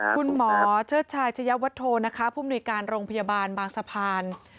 คุณหมอเชิดชายชะยะวัตโธนะคะผู้มนุยการโรงพยาบาลบางสะพาน